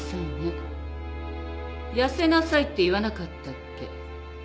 痩せなさいって言わなかったっけ？